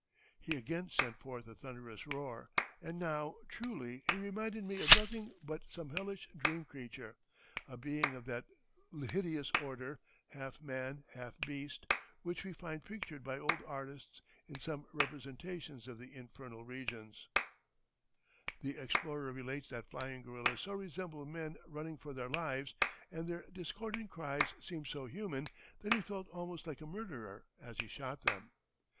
He again sent forth a thunderous roar, and now truly he reminded me of nothing but some hellish dream creature a being of that hideous order, half man half beast, which we find pictured by old artists in some representations of the infernal regions." [Illustration: The Gorilla. (Troglodytes Gorilla.)] The explorer relates that flying gorillas so resembled men running for their lives, and their discordant cries seemed so human, that he felt almost like a murderer as he shot them.